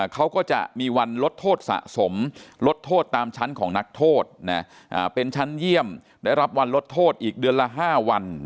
เขาก็จะมีวันลดโทษสะสมลดโทษตามชั้นของนักโทษเป็นชั้นเยี่ยมได้รับวันลดโทษอีกเดือนละ๕วัน